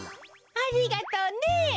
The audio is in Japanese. ありがとうね。